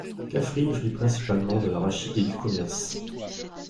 Kaffrine vit principalement de l'arachide et du commerce.